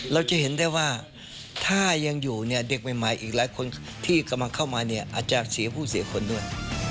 เราจะเห็นได้ว่าถ้ายังอยู่เนี่ยเด็กใหม่อีกหลายคนที่กำลังเข้ามาเนี่ยอาจจะเสียผู้เสียคนด้วย